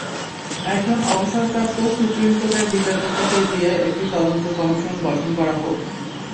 একজন অবসরপ্রাপ্ত সুপ্রিম কোর্টের বিচারপতিকে দিয়ে একটি তদন্ত কমিশন গঠন করা হোক।